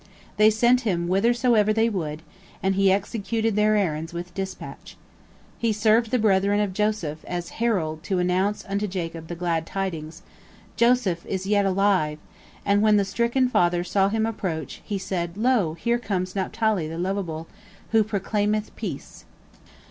They sent him whithersoever they would, and he executed their errands with dispatch. He served the brethren of Joseph as herald, to announce unto Jacob the glad tidings, "Joseph is yet alive," and when the stricken father saw him approach, he said, "Lo, here cometh Naphtali the lovable, who proclaimeth peace."